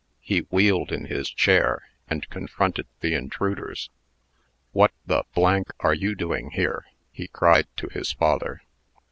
He wheeled in his chair, and confronted the intruders. "What the are you doing here?" he cried to his father.